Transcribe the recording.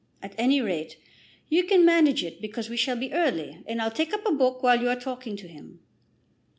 At any rate you can manage it because we shall be early, and I'll take up a book while you are talking to him."